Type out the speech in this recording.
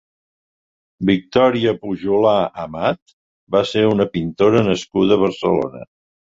Victòria Pujolar Amat va ser una pintora nascuda a Barcelona.